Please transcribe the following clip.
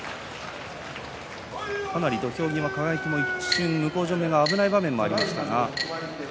かなり土俵際、輝の一瞬向正面側、危ない場面もありました。